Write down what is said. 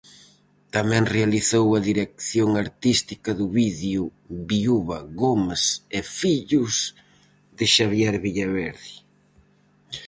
Tamén realizou a dirección artística do vídeo "Viúva Gómez e Fillos", de Xavier Villaverde.